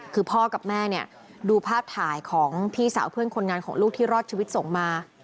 คือพ่อกับแม่เนี่ยดูภาพถ่ายของพี่สาวเพื่อนคนงานของลูกที่รอดชีวิตส่งมา